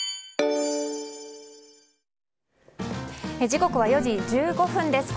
時刻は４時１５分です。